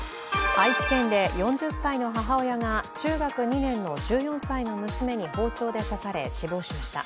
愛知県で４０歳の母親が中学２年の１４歳の娘に包丁で刺され死亡しました。